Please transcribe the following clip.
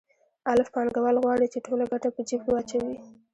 الف پانګوال غواړي چې ټوله ګټه په جېب کې واچوي